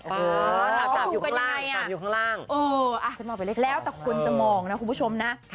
เออจ้าบอยู่ข้างล่างจ้าบอยู่ข้างล่างเอออ่ะจะมาไปเรียนแล้วแต่คนจะมองนะคุณผู้ชมนะ